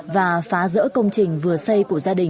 và phá rỡ công trình vừa xây của gia đình